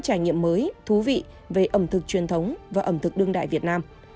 với thú vị về ẩm thực truyền thống và ẩm thực đương đại việt nam